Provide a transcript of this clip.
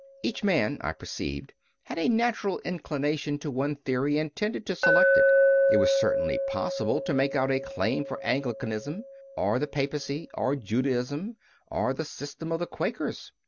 Each man, I perceived, had a natural inclination to one theory and tended to select it. It was certainly possible to make out a claim for Anglicanism or the Papacy or Judaism or the system of the Quakers.